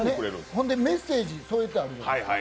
ほんで、メッセージ添えてあるじゃないですか。